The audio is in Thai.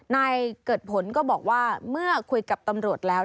นายเกิดผลก็บอกว่าเมื่อคุยกับตำรวจแล้ว